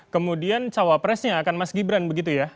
kemudian cawapresnya akan mas gibran begitu ya